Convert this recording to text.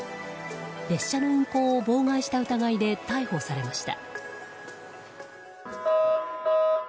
列車の運行を妨害した疑いで逮捕されました。